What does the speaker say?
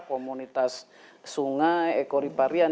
komunitas sungai ekoriparian